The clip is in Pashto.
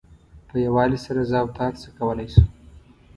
په یووالي سره زه او ته هر څه کولای شو.